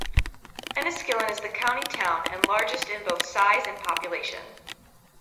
Enniskillen is the county town and largest in both size and population.